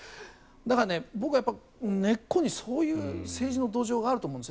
だから、僕は根っこにそういう政治の土壌があると思うんです。